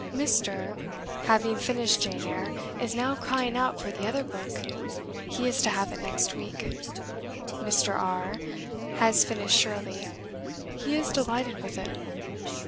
"Mr. , having finished 'Jane Eyre,' is now crying out for the 'other book;' he is to have it next week. ... Mr. R has finished 'Shirley;' he is delighted with it.